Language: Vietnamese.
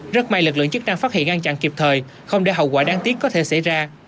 rất may lực lượng chức năng phát hiện ngăn chặn kịp thời không để hậu quả đáng tiếc có thể xảy ra